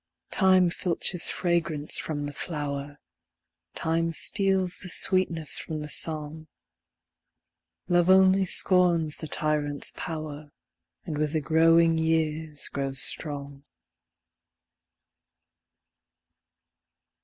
Time filches fragrance from the flower ; Time steals the sweetness from the song; Love only scorns Ae tyrant's power, And with the growing years grows strong.